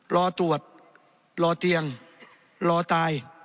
รอตรวจรอเตียงรอตาย